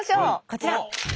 こちら。